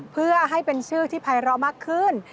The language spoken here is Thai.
เพื่อให้เป็นชื่อที่ไพร่เลาะมากขึ้น